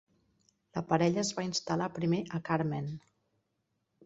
La parella es va instal·lar primer a Carmen.